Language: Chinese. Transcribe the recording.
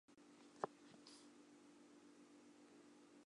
蒙特雷阿莱苏斯人口变化图示